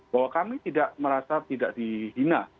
bahwa kami tidak merasa tidak dihina